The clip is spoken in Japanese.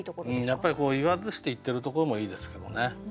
やっぱり言わずして言ってるところもいいですけどね。